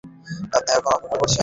আপনি এখনও অপেক্ষা করছেন?